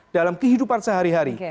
dalam kehidupan sehari hari